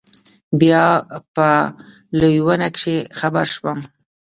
بيا په لوېينه کښې خبر سوم.